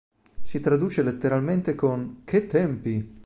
Si traduce letteralmente con "Che tempi!